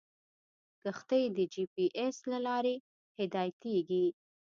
کښتۍ د جي پي ایس له لارې هدایتېږي.